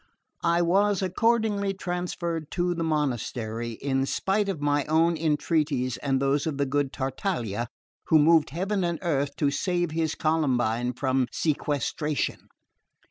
I was accordingly transferred to the monastery, in spite of my own entreaties and those of the good Tartaglia, who moved heaven and earth to save his Columbine from sequestration.